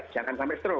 jangan sampai struk